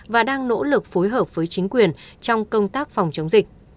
và đang nỗ lực phối hợp với chính quyền trong công tác phòng chống dịch